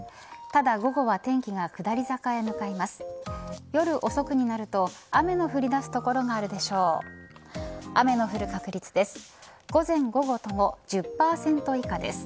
ただ、午後は天気が下り坂へ向かいます。